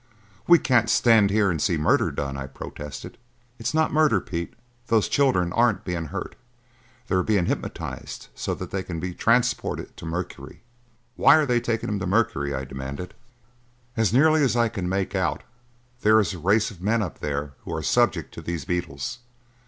"We can't stand here and see murder done!" I protested. "It's not murder. Pete, those children aren't being hurt. They are being hypnotized so that they can be transported to Mercury." "Why are they taking them to Mercury?" I demanded. "As nearly as I can make out, there is a race of men up there who are subject to these beetles.